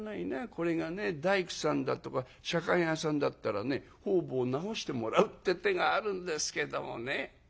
これがね大工さんだとか左官屋さんだったらね方々直してもらうって手があるんですけどもね」。